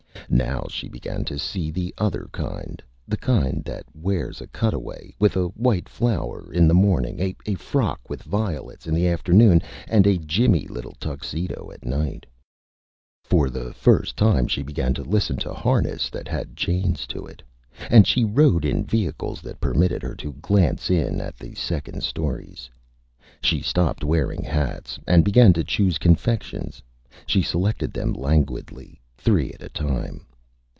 Now she began to see the other Kind; the Kind that Wears a Cutaway, with a White Flower, in the Morning, a Frock, with Violets, in the Afternoon, and a jimmy little Tuxedo at Night. [Illustration: A STRANGE MAN] For the first time she began to listen to Harness that had Chains to it, and she rode in Vehicles that permitted her to glance in at the Second Stories. She stopped wearing Hats, and began to choose Confections. She selected them Languidly, three at a time.